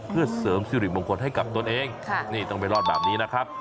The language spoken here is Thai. เพื่อเสริมสิริมงคลให้กับตนเองนี่ต้องไปรอดแบบนี้นะครับ